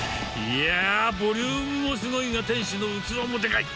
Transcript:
いやぁ、ボリュームもすごいが、店主の器もでかい。